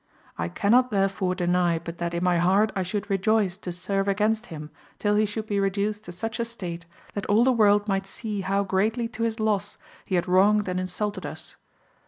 I cannot therefore deny but that in my heart I should rejoice to serve against him till he should be reduced to such a state, that all the world might see how greatly to his loss he had wronged and insulted us.